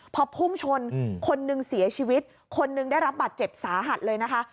พอพุ่งชนคนหนึ่งเสียชีวิตคนหนึ่งได้รับบัตรเจ็บสาหัสเลยนะคะ